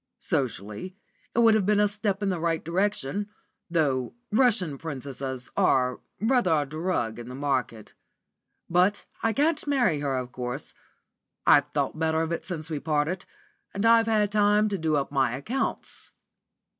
Socially it would have been a step in the right direction, though Russian Princesses are rather a drug in the market. But I can't marry her, of course. I've thought better of it since we parted, and I've had time to do up my accounts."